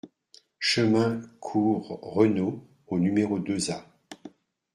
Chemin Cour Renaud au numéro deux A